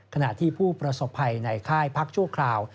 ขณะที่ผู้ประสบภัยในค่ายพักชั่วคราว